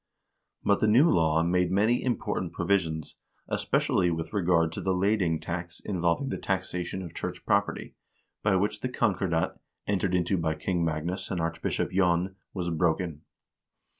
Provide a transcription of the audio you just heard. But the new law made many important provisions, especially with regard to the leding tax involving the taxation of church property, by which the concordat, entered into by King Magnus and Archbishop Jon, was broken.